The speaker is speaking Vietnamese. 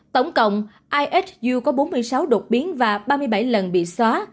tổng cộng isu có bốn mươi sáu đột biến và ba mươi bảy lần bị xóa